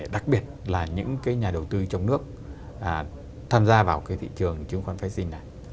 đặc biệt là những cái nhà đầu tư trong nước tham gia vào cái thị trường chứng khoán vaccine này